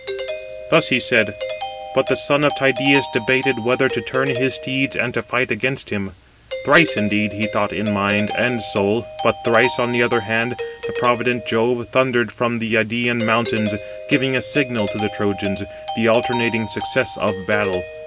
Thus he said; but the son of Tydeus debated whether to turn his steeds, and to fight against him. Thrice, indeed, he thought in mind and soul, but thrice, on the other hand, the provident Jove thundered from the Idæan mountains, giving a signal to the Trojans, the alternating success of battle.